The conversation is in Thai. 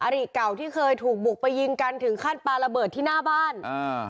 ริเก่าที่เคยถูกบุกไปยิงกันถึงขั้นปลาระเบิดที่หน้าบ้านอ่า